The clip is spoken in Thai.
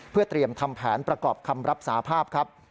เพื่อเตรียมทำแผนประกอบคำรับสาภาพครับ